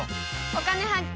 「お金発見」。